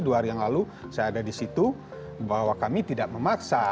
dua hari yang lalu saya ada di situ bahwa kami tidak memaksa